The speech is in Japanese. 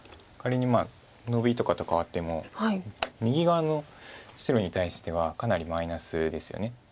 仮にノビとかと換わっても右側の白に対してはかなりマイナスですよね